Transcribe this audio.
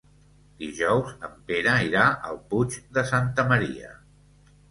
Dijous en Pere irà al Puig de Santa Maria.